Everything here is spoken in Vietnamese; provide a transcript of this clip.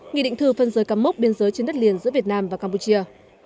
nghị định thư phân rời cắm mốc biên giới trên đất liền giữa việt nam và campuchia